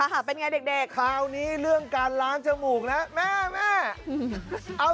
ค่ะเป็นไงเด็กคราวนี้เรื่องการล้างจมูกนะแม่แม่เอา